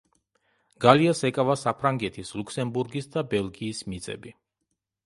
გალიას ეკავა საფრანგეთის, ლუქსემბურგის და ბელგიის მიწები.